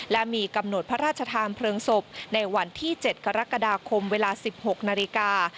และมีกำหนดพระราชทานเพลิงศพในวันที่๗กรกฎาคมเวลา๑๖นาฬิกา